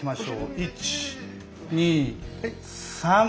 １２３。